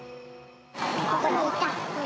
ここにいた。